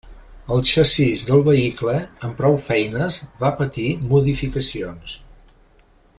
El xassís del vehicle amb prou feines va patir modificacions.